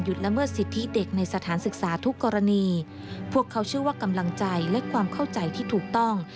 ยังเชื่อว่ากำลังใจและความเข้าใจที่ถูกต้อง